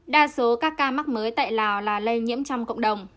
đa số các ca mắc mới tại lào là lây nhiễm trong cộng đồng